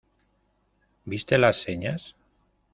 ¿Viste las señas?